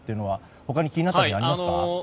他に気になったことはありますか。